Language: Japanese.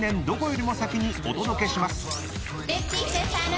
どこよりも先にお届けします。